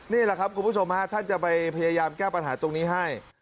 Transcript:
นี่แหละครับคุณผู้ชมฮะท่านจะไปพยายามแก้ปัญหาตรงนี้ให้